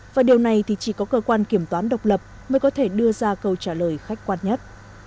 và điều này thì chỉ có cơ quan kiểm toán độc lập mới có thể đưa ra câu trả lời khách quan nhất